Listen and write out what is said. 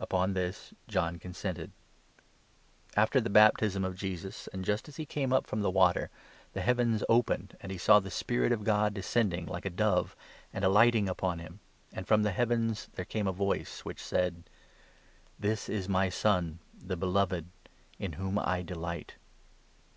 Upon this, John consented. After the baptism of Jesus, and 16 just as he came up from the water, the heavens opened, and he saw the Spirit of God descending, like a dove, and alighting upon him, and from the heavens there came a voice which 17 said : "This is my Son, the Beloved, in whom I delight."